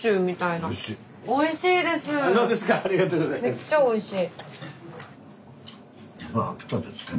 めっちゃおいしい。